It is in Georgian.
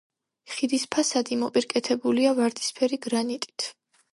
ხიდის ფასადი მოპირკეთებულია ვარდისფერი გრანიტით.